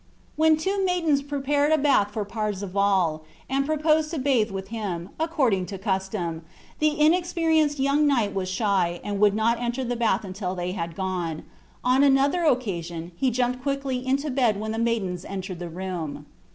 When two maidens prepared a bath for Parzival, and proposed to bathe him, according to custom, the inexperienced young knight was shy, and would not enter the bath until they had gone; on another occasion, he jumped quickly into bed when the maidens entered the room.